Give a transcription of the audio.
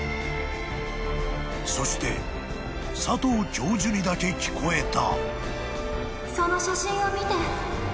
［そして佐藤教授にだけ聞こえた］